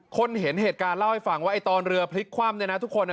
คนเห็นเหตุการณ์เล่าให้ฟังว่าไอ้ตอนเรือพลิกคว่ำเนี่ยนะทุกคนเนี่ย